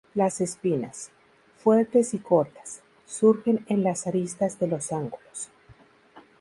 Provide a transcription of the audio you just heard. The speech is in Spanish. Las espinas, fuertes y cortas, surgen en las aristas de los ángulos.